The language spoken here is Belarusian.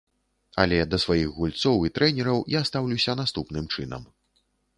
Але да сваіх гульцоў і трэнераў я стаўлюся наступным чынам.